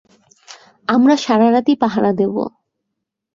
আমরা সারারাতই পাহারা দেবো।